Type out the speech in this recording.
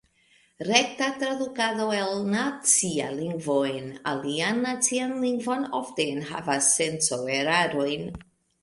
Rekta tradukado el nacia lingvo en alian nacian lingvon ofte enhavas senco-erarojn.